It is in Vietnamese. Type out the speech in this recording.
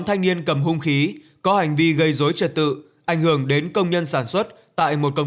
thanh niên cầm hung khí có hành vi gây dối trật tự ảnh hưởng đến công nhân sản xuất tại một công